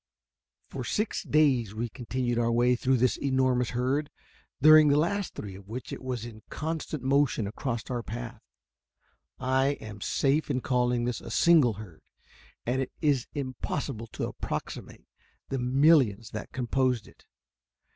For six days we continued our way through this enormous herd, during the last three of which it was in constant motion across our path. I am safe in calling this a single herd, and it is impossible to approximate the millions that composed it.